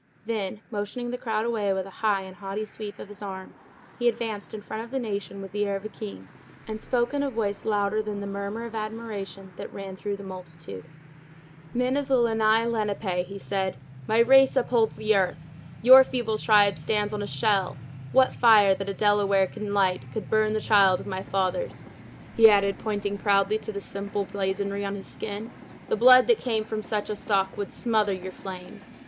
Then motioning the crowd away with a high and haughty sweep of his arm, he advanced in front of the nation with the air of a king, and spoke in a voice louder than the murmur of admiration that ran through the multitude. "Men of the Lenni Lenape!" he said, "my race upholds the earth! Your feeble tribe stands on my shell! What fire that a Delaware can light would burn the child of my fathers," he added, pointing proudly to the simple blazonry on his skin; "the blood that came from such a stock would smother your flames!